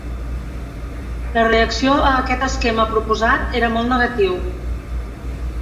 La reacció a aquest esquema proposat era molt negatiu.